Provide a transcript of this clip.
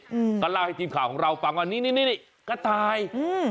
อืมก็เล่าให้ทีมข่าวของเราฟังว่านี่นี่นี่กระต่ายอืม